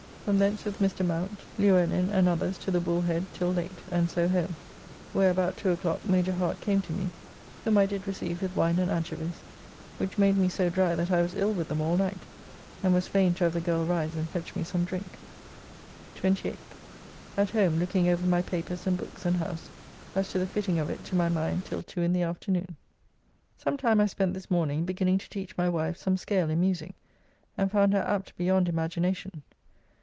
From thence with Mr. Mount, Luellin, and others to the Bull head till late, and so home, where about to o'clock Major Hart came to me, whom I did receive with wine and anchovies, which made me so dry that I was ill with them all night, and was fain to have the girle rise and fetch me some drink. 28th. At home looking over my papers and books and house as to the fitting of it to my mind till two in the afternoon. Some time I spent this morning beginning to teach my wife some scale in music, and found her apt beyond imagination.